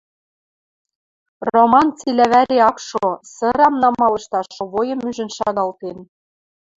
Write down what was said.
Роман цилӓ вӓре ак шо, сырам намалышташ Овойым ӱжӹн шагалтен.